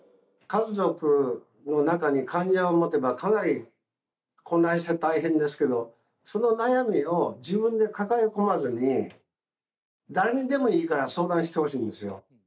家族の中に患者を持てばかなり混乱して大変ですけどその悩みを自分で抱え込まずに誰にでもいいから相談してほしいんですよ。